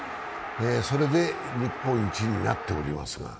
それで日本一になっております。